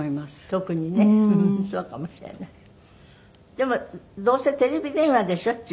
でもどうせテレビ電話でしょっちゅう。